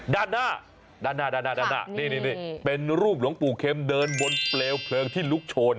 ด้านหน้าด้านหน้านี่เป็นรูปหลวงปู่เข็มเดินบนเปลวเพลิงที่ลุกโชน